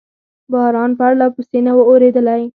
باران پرلپسې نه و اورېدلی.